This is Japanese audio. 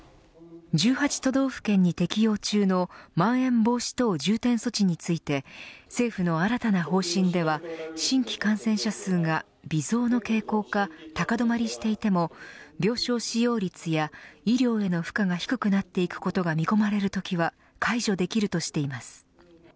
都道府県に適用中のまん延防止等重点措置について政府の新たな方針では新規感染者数が微増の傾向か高止まりしていても病床使用率や医療への負荷が低くなっていくことが見込まれるときは解除できるとしています。